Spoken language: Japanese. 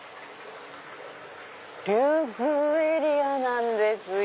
「龍宮エリア」なんですよ。